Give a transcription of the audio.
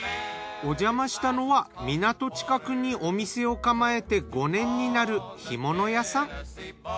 おじゃましたのは港近くにお店を構えて５年になる干物屋さん。